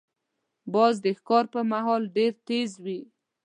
باز د ښکار پر مهال ډېر تیز وي